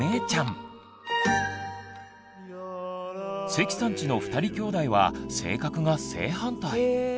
関さんちの２人きょうだいは性格が正反対！